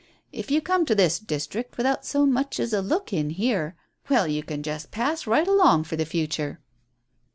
"If you come to this district without so much as a look in here, well, you can just pass right along for the future."